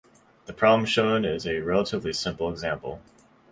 The problem shown is a relatively simple example.